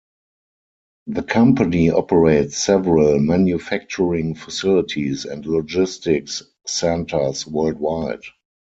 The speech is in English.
The company operates several manufacturing facilities and logistics centers worldwide.